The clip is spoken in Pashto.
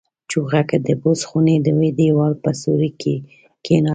چوغکه د بوس خونې د دېوال په سوري کې کېناستله.